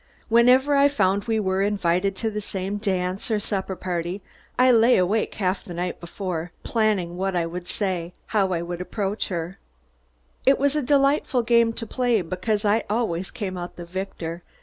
Whenever I found we were to be invited to the same dance or supper party, I lay awake half the night before, planning how I would approach her; what she would say and what I would say. It was a delightful game to play, because I always came out the victor.